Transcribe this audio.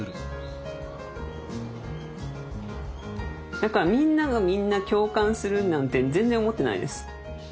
何かみんながみんな共感するなんて全然思ってないです。